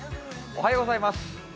おはようございます。